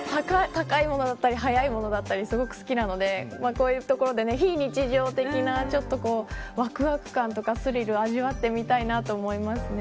高いものだったり速いものだったりすごく好きなのでこういうところで非日常的なわくわく感とかスリルを味わってみたいなと思います。